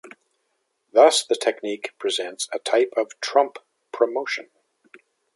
Thus, the technique presents a type of trump promotion.